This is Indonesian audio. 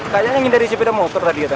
kayaknya menghindari sepeda motor tadi